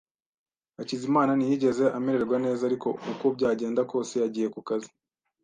Hakizimana ntiyigeze amererwa neza, ariko uko byagenda kose yagiye ku kazi.